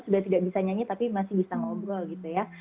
sudah tidak bisa nyanyi tapi masih bisa ngobrol gitu ya